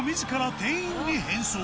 店員に変装。